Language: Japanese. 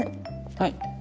はい。